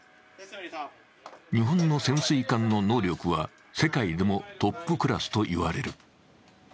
日本の潜水艦の能力は世界でもトップクラスといわれる。